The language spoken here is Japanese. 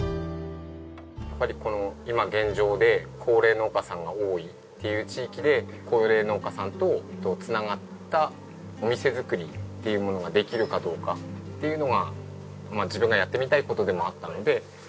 やっぱりこの今現状で高齢農家さんが多いっていう地域で高齢農家さんと繋がったお店作りっていうものができるかどうかっていうのが自分がやってみたい事でもあったので。